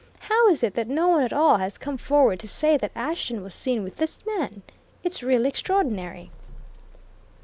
How is it that no one at all has come forward to say that Ashton was seen with this man? It's really extraordinary!"